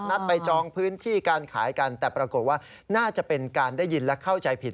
นัดไปจองพื้นที่การขายกันแต่ปรากฏว่าน่าจะเป็นการได้ยินและเข้าใจผิด